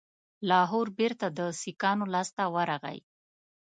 لاهور بیرته د سیکهانو لاسته ورغی.